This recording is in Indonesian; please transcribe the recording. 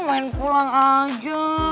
main pulang aja